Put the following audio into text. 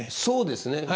そうですね。